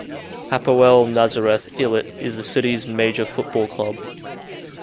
Hapoel Nazareth Illit is the city's major football club.